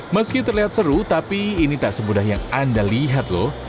meski terlihat seru tapi ini tak semudah yang anda lihat loh